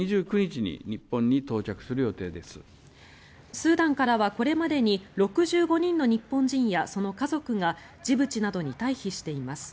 スーダンからはこれまでに６５人の日本人やその家族がジブチなどに退避しています。